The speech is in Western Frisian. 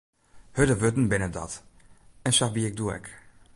Hurde wurden binne dat, en sa wie ik doe ek.